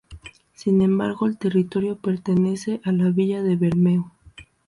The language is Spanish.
Sin embargo, el territorio pertenece a la villa de Bermeo.